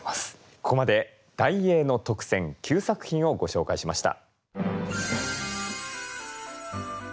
ここまで題詠の特選９作品をご紹介しました。